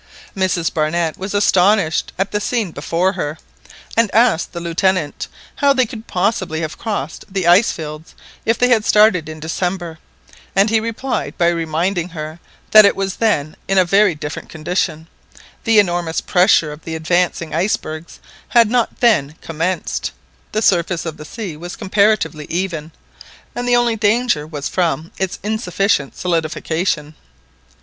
Mrs Barnett was astonished at the scene before her, and asked the Lieutenant how they could possibly have crossed the ice fields if they had started in December, and he replied by reminding her that it was then in a very different condition; the enormous pressure of the advancing icebergs had not then commenced, the surface of the sea was comparatively even, and the only danger was from its insufficient solidification.